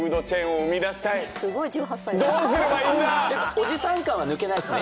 おじさん感は抜けないですね。